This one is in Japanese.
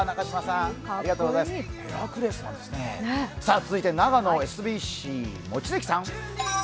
続いて長野ＳＢＣ・望月さん